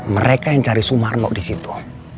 mereka yang cari sumarno disitu